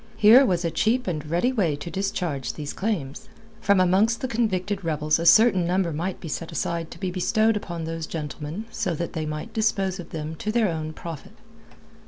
Here was a cheap and ready way to discharge these claims. From amongst the convicted rebels a certain number might be set aside to be bestowed upon those gentlemen, so that they might dispose of them to their own profit.